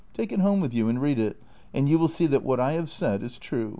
Take it home with you and read it, and you will see that what I have said is true."